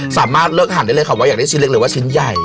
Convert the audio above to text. สามารถเลือกทานได้เลยค่ะว่าอยากได้ชิ้นเล็กเลยว่าชิ้นใหญ่